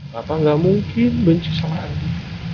bapak nggak mungkin benci sama andi